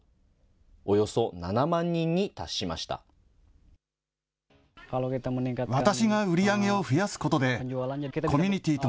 およそ７万人に達しました。